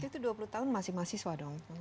itu dua puluh tahun masih mahasiswa dong